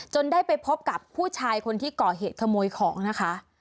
ได้ไปพบกับผู้ชายคนที่ก่อเหตุขโมยของนะคะ